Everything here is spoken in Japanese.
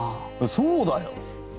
そうだよ。